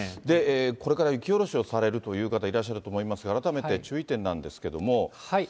で、これから雪下ろしをされるという方、いらっしゃると思いますが、改めて注意点なんですけども。